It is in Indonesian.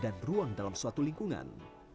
dan ruang dalam suatu lingkungan